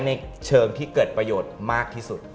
ในเชิงที่เกิดประโยชน์มากที่สุด